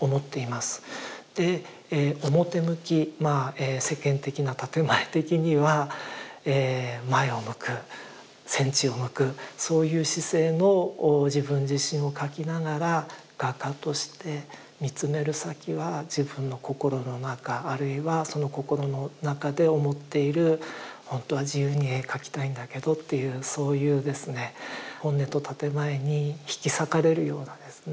で表向き世間的な建て前的には前を向く戦地を向くそういう姿勢の自分自身を描きながら画家として見つめる先は自分の心の中あるいはその心の中で思っているほんとは自由に絵描きたいんだけどっていうそういうですね本音と建て前に引き裂かれるようなですね